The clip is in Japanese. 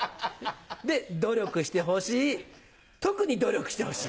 「努力してほしい」「とくに努力してほしい」。